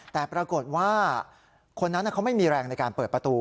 แต่ปรากฏว่าคนนั้นเขาไม่มีแรงในการเปิดประตู